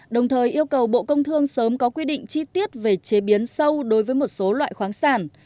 đồng thời yêu cầu bộ công thương sớm có quy định chi tiết về chế biến sâu đối với một số loại khoáng sản